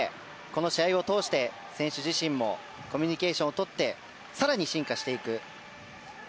この試合を通して選手自身もコミュニケーションをとって更に進化していく。